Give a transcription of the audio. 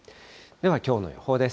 ではきょうの予報です。